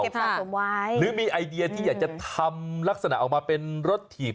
สะสมไว้หรือมีไอเดียที่อยากจะทำลักษณะออกมาเป็นรถถีบ